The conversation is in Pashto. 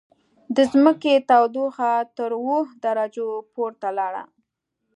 د ځمکې تودوخه تر اووه درجو پورته لاړه.